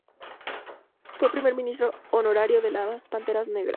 Fue primer ministro honorario de las Panteras Negras.